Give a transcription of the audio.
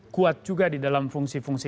kuat juga di dalam fungsi fungsi